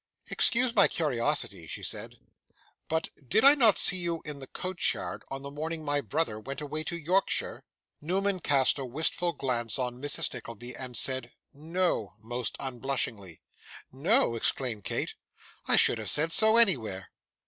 'Excuse my curiosity,' she said, 'but did I not see you in the coachyard, on the morning my brother went away to Yorkshire?' Newman cast a wistful glance on Mrs. Nickleby and said 'No,' most unblushingly. 'No!' exclaimed Kate, 'I should have said so anywhere.